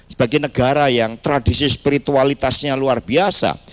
sebagai negara yang tradisi spiritualitasnya luar biasa